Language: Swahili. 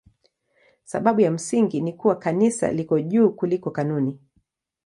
Sababu ya msingi ni kuwa Kanisa liko juu kuliko kanuni.